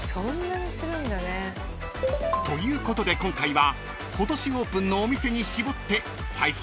ということで今回は］